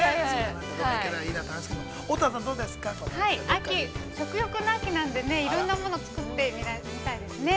◆秋、食欲の秋なんでねいろんなもの作ってみたいですね。